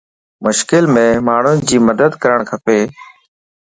مشڪل ام ماڻھي جي مدد ڪرڻ کپا